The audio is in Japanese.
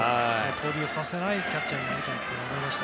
盗塁を刺せるキャッチャーになりたいなと思いました。